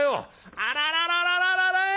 「あららららららい！